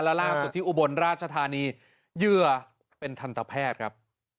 และล่าสุดที่อุบลราชธานีเหยื่อเป็นทันตแพทย์ครับ